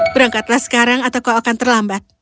berangkatlah sekarang atau kau akan terlambat